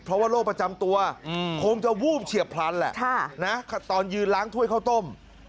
เพราะว่าโรคประจำตัวคงจะวูบเฉียบพลันแหละตอนยืนล้างถ้วยข้าวต้ม